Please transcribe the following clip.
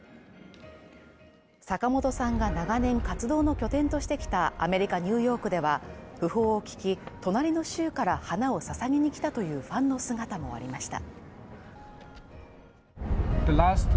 坂本さんが長年活動の拠点としてきたアメリカ・ニューヨークでは訃報を聞き、隣の州から花をささげに来たというファンの姿もありました。